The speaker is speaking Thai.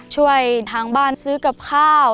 ช่วยทางบ้านซื้อกับข้าว